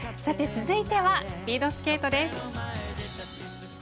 続いてはスピードスケートです。